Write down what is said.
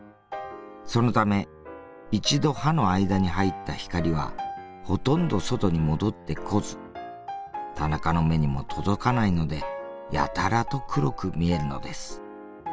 そのため一度刃の間に入った光はほとんど外に戻ってこず田中の目にも届かないのでやたらと黒く見えるのです。